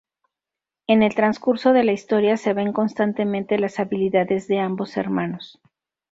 En el transcurso de la historia se ven constantemente las habilidades de ambos hermanos.